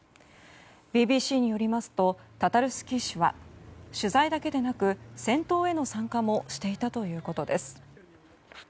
ＢＢＣによりますとタタルスキー氏は取材だけでなく、戦闘への参加もしていたということです。